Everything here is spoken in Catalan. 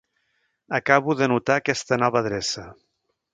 Acabo d'anotar aquesta nova adreça.